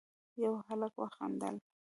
يوه هلک وخندل: